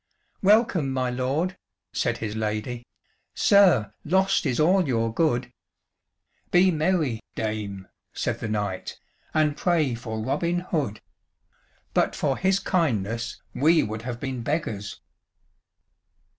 "Welcome, my lord," said his lady, "Sir, lost is all your good." "Be merry, dame," said the knight, "And pray for Robin Hood. But for his kindness, we would have been beggars."